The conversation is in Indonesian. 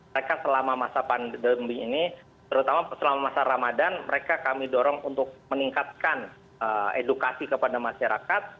mereka selama masa pandemi ini terutama selama masa ramadan mereka kami dorong untuk meningkatkan edukasi kepada masyarakat